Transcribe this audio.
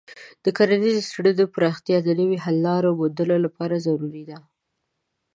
د کرنیزو څیړنو پراختیا د نویو حل لارو موندلو لپاره ضروري ده.